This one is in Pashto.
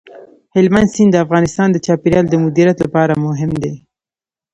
هلمند سیند د افغانستان د چاپیریال د مدیریت لپاره مهم دی.